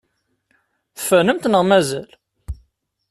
Tfernemt neɣ mazal?